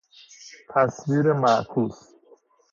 تصویر معکوس